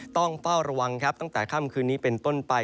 ต้องเฝ้าระวังครับตั้งแต่ค่ำคืนนี้เป็นต้นไป